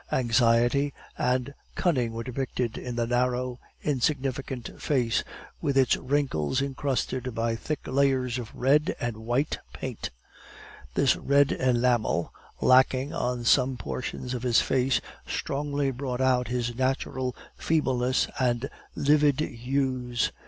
Anxiety and cunning were depicted in the narrow, insignificant face, with its wrinkles incrusted by thick layers of red and white paint. This red enamel, lacking on some portions of his face, strongly brought out his natural feebleness and livid hues.